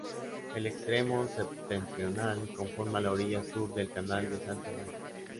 El extremo septentrional, conforma la orilla sur del canal de Santa María.